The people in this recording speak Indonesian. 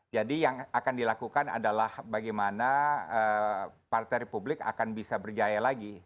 jadi yang akan dilakukan adalah bagaimana partai republik akan bisa berjaya lagi